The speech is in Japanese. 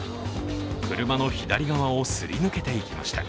車の左側をすり抜けていきました。